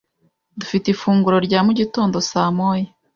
Dufite ifunguro rya mu gitondo saa moya.